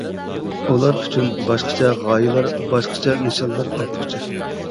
ئۇلار ئۈچۈن باشقىچە غايىلەر، باشقىچە نىشانلار ئارتۇقچە.